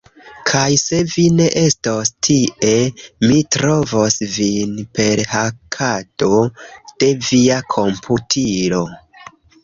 Kaj se vi ne estos tie mi trovos vin per hakado de via komputilo